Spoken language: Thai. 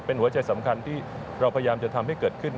เป็นหัวใจสำคัญที่เราพยายามจะทำให้เกิดขึ้น